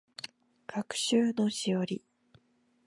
学習のしおり